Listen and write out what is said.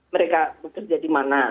mereka bekerja di mana